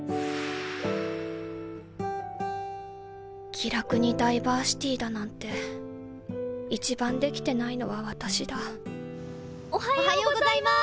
「気楽にダイバーシティー」だなんて一番できてないのは私だおはようございます！